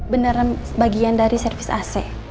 beneran bagian dari servis ac